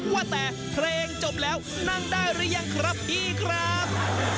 ว่าแต่เพลงจบแล้วนั่งได้หรือยังครับพี่ครับ